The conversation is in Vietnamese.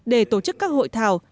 để tổ chức các hội thảo